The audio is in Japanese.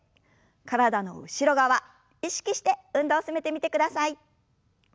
体の後ろ側意識して運動を進めてみてください。